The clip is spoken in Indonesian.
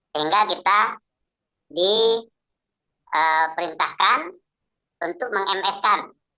sehingga kita diperintahkan untuk meng ms kan